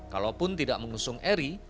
kalaupun tidak mengusung eri